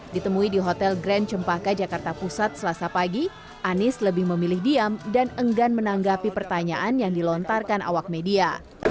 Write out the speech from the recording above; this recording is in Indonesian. ditemui di hotel grand cempaka jakarta pusat selasa pagi anies lebih memilih diam dan enggan menanggapi pertanyaan yang dilontarkan awak media